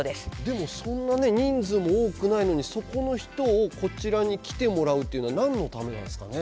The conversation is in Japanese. そんなね人数も多くないのにそこの人をこちらに来てもらうっていうのは何のためなんですかね？